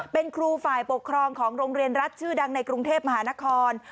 เป็นครูฝ่ายปกครองของโรงเรียนรัฐชื่อดังในกรุงเทพมหานคร